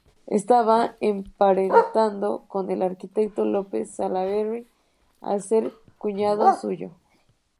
Estaba emparentado con el arquitecto López Salaberry, al ser cuñado suyo.